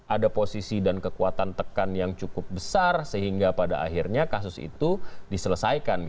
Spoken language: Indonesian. ada posisi dan kekuatan tekan yang cukup besar sehingga pada akhirnya kasus itu diselesaikan